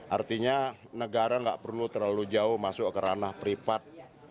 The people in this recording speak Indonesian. artinya negara tidak perlu terlalu jauh masuk ke ranah privat